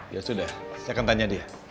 ya sudah saya akan tanya dia